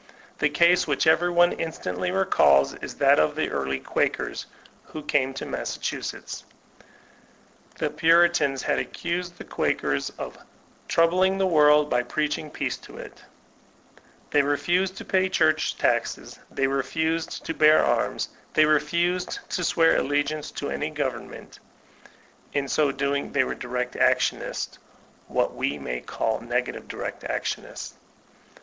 The case which every one instantly recalb is that of the early Quakers who came to Massachusetts. The Puritans had accusH the Quakers of ''troubling the world by preaching peace to it They refused to pay church taxes; they refused to bear arms; they refused to swear allegiance to any government (In so doing, they were direct actionists; what we may call negative direct actkmists.)